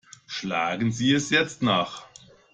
Schlagen Sie es jetzt nach!